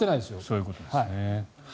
そういうことですね。